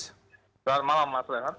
selamat malam mas rehar